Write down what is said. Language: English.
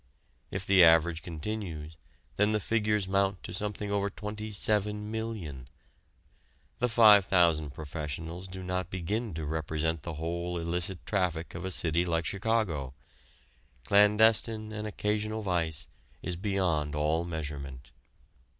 If the average continues, then the figures mount to something over 27,000,000. The five thousand professionals do not begin to represent the whole illicit traffic of a city like Chicago. Clandestine and occasional vice is beyond all measurement.